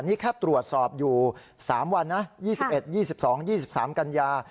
นี่แค่ตรวจสอบอยู่๓วันนะ๒๑๒๒๒๓กันยา